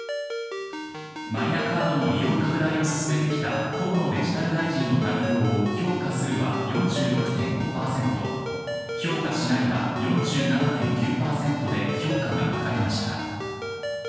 マイナカードの利用拡大を進めてきた河野デジタル大臣の対応を評価するは４６．５％、評価しないは４７．９％で評価が分かれました。